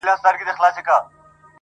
o عالم پر څه دئ، مير عالم پر څه دئ٫